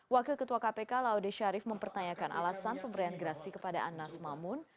wakil ketua kpk laude syarif mempertanyakan alasan pemberian gerasi kepada anas mamun